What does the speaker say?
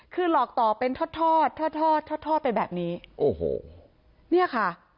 คือหลอกต่อเป็นทอดทอดทอดไปแบบนี้เนี่ยค่ะ